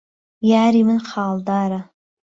یاری من خاڵداره